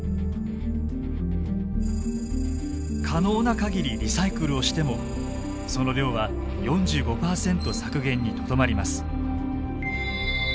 可能な限りリサイクルをしてもその量は４５％削減にとどまります。